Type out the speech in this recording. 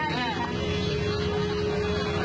มันก็เลี่ยวส่วน